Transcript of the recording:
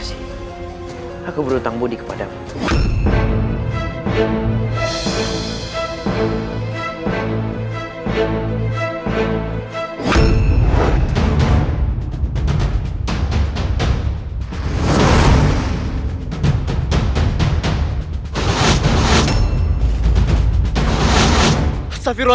eleggian akan mendengar apa yang saya katakan disitu